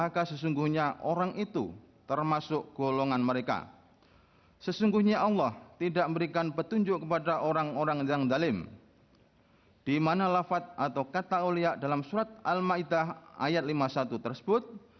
kepulauan seribu kepulauan seribu